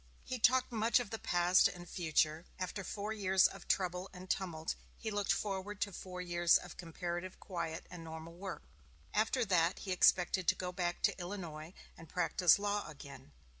He talked much of the past and future; after four years of trouble and tumult he looked forward to four years of comparative quiet and normal work; after that he expected to go back to Illinois and practise law again.